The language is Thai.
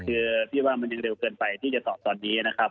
คือพี่ว่ามันยังเร็วเกินไปที่จะตอบตอนนี้นะครับ